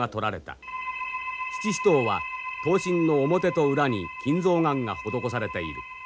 七支刀は刀身の表と裏に金象眼が施されている。